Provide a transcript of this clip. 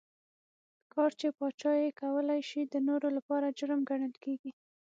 ښکار چې پاچا یې کولای شي د نورو لپاره جرم ګڼل کېږي.